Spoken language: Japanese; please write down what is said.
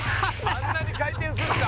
あんなに回転するか！